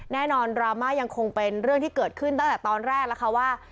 ดราม่ายังคงเป็นเรื่องที่เกิดขึ้นตั้งแต่ตอนแรกแล้วค่ะว่า